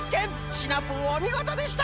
シナプーおみごとでした！